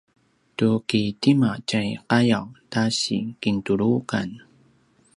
tu ki tima tjai qayaw ta si kintuluqan?